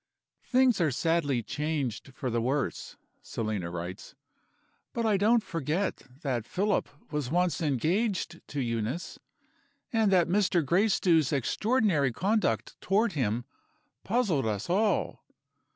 "Things are sadly changed for the worse" (Selina writes); "but I don't forget that Philip was once engaged to Euneece, and that Mr. Gracedieu's extraordinary conduct toward him puzzled us all.